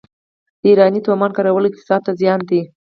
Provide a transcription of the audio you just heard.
د ایراني تومان کارول اقتصاد ته زیان دی.